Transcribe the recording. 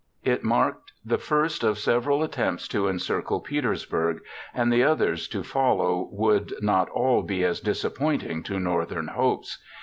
It marked the first of several attempts to encircle Petersburg, and the others to follow would not all be as disappointing to Northern hopes.